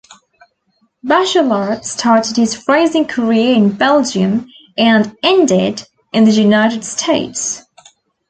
Bachelart started his racing career in Belgium and ended in the United States.